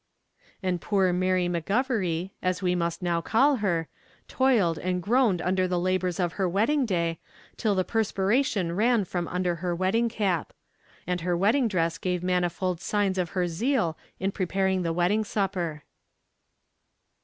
And poor Mary McGovery, as we must now call her, toiled and groaned under the labours of her wedding day till the perspiration ran from under her wedding cap; and her wedding dress gave manifold signs of her zeal in preparing the wedding supper.